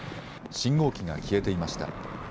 信号機が消えていました。